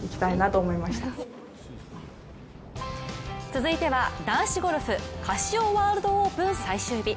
続いては男子ゴルフ、カシオワールドオープン最終日。